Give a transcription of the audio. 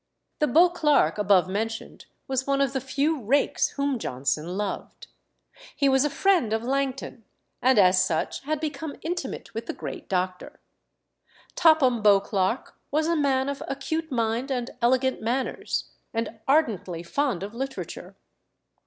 The Beauclerk above mentioned was one of the few rakes whom Johnson loved. He was a friend of Langton, and as such had become intimate with the great doctor. Topham Beauclerk was a man of acute mind and elegant manners, and ardently fond of literature.